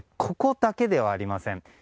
ここだけではありません。